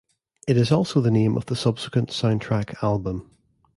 It is also the name of the subsequent soundtrack album.